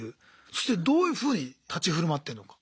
そしてどういうふうに立ち振る舞ってんのか。